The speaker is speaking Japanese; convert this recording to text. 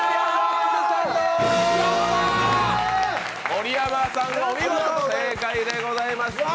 盛山さん、お見事正解でございます。